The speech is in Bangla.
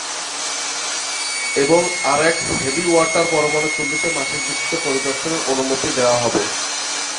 এবং আরাক হেভি ওয়াটার পরমাণু চুল্লিতে মাসিক ভিত্তিতে পরিদর্শনের অনুমতি দেওয়া হবে।